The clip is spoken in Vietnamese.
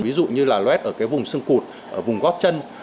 ví dụ như là loét ở cái vùng xương cụt vùng gót chân